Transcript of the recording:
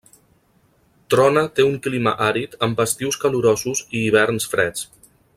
Trona té un clima àrid amb estius calorosos i hiverns freds.